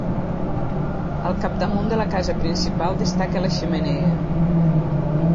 Al capdamunt de la casa principal destaca la xemeneia.